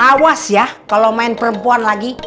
awas ya kalau main perempuan lagi